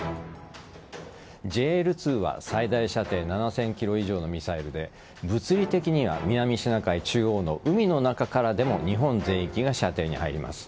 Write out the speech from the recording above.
ＪＬ‐２は最大射程７０００ｋｍ以上のミサイルで物理的には南シナ海中央の海の中からでも日本全域が射程に入ります。